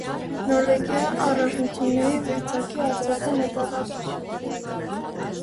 Նորվեգիայի առաջնությունների վեցակի արծաթե մեդալակիր։